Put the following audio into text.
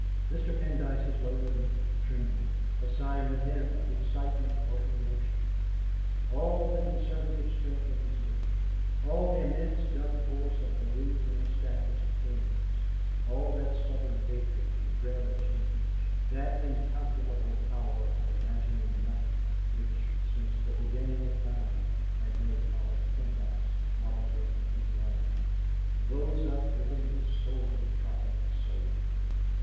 Mr. Pendyce's lower lip trembled, a sign with him of excitement or emotion. All the conservative strength of his nature, all the immense dumb force of belief in established things, all that stubborn hatred and dread of change, that incalculable power of imagining nothing, which, since the beginning of time, had made Horace Pendyce the arbiter of his land, rose up within his sorely tried soul.